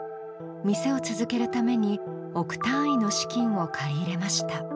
店を続けるために億単位の資金を借り入れました。